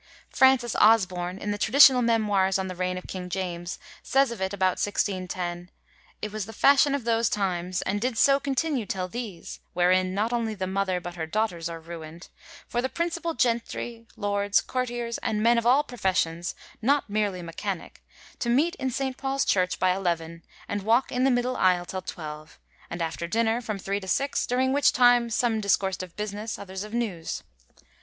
Frances Osborne, in the Traditional Memoirs on the Beign of King James, says of it about 1610: 'It was the fashion of those times, and did so continue till these, (wherein not only the Mother, but her Daughters, are ruined,) for the principal Gentry, Lords, Courtiers and men of all Professions, not merely Mechanick, to meet in St. Paul's Church by eleven, and walk in the Middle Isle till twelve ; and after dinner, from three to six : during which time, some discoursed of Business, others of News.